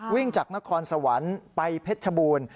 วิ่งจากนครสวรรค์ไปเพชรชบูรณ์